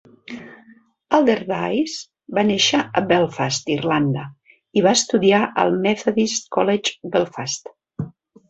Alderdice va néixer a Belfast (Irlanda) i va estudiar al Methodist College Belfast.